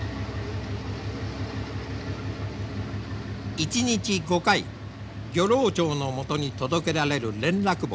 １日５回漁労長のもとに届けられる連絡簿。